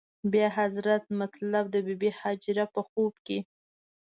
بیا حضرت مطلب ته بې بي هاجره په خوب کې.